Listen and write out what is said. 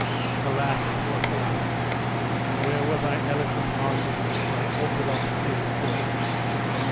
Alas, poor Philammon! where were thy eloquent arguments, thy orthodox theories then?